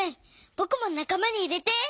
ぼくもなかまにいれて！